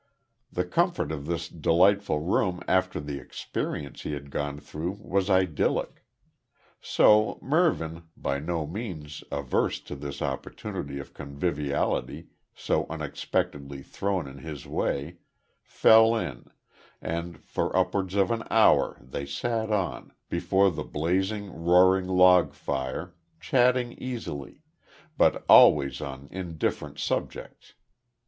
The comfort of this delightful room after the experience he had gone through was idyllic. So Mervyn, by no means averse to this opportunity of conviviality so unexpectedly thrown in his way, fell in, and for upwards of an hour they sat on, before the blazing roaring log fire, chatting easily, but always on indifferent subjects.